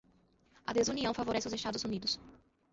a desunião favorece os Estados Unidos